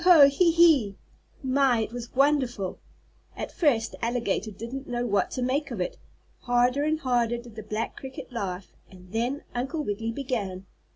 Ho! Ho! He! He!" My, it was wonderful! At first the alligator didn't know what to make of it. Harder and harder did the black cricket laugh, and then Uncle Wiggily began.